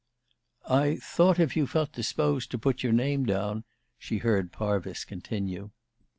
"I thought if you felt disposed to put your name down " she heard Parvis continue.